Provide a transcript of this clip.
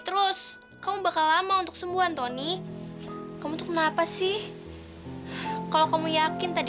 terus kamu bakal lama untuk sembuhan tony kamu untuk mengapa sih kalau kamu yakin tadi